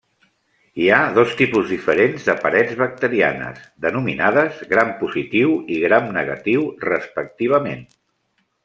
Hi ha dos tipus diferents de parets bacterianes, denominades Gram-positiu i Gram-negatiu, respectivament.